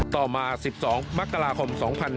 ต่อมา๑๒มกราคม๒๕๕๙